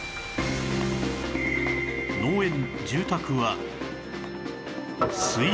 農園住宅は